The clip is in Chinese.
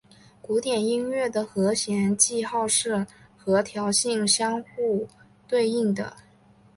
古典音乐的和弦记号是和调性互相对应的。